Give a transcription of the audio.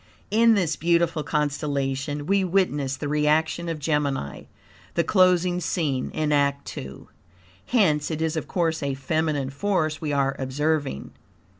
In this beautiful constellation we witness the reaction of Gemini, the closing scene in act II. Hence it is, of course, a feminine force we are observing.